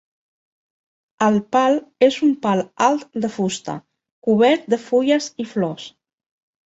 El pal és un pal alt de fusta cobert de fulles i flors.